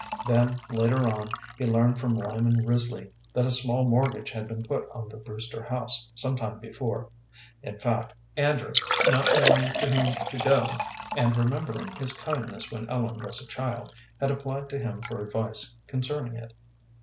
Then, later on, he learned from Lyman Risley that a small mortgage had been put on the Brewster house some time before. In fact, Andrew, not knowing to whom to go, and remembering his kindness when Ellen was a child, had applied to him for advice concerning it.